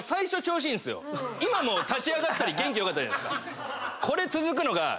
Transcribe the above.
今も立ち上がったり元気よかったじゃないですか。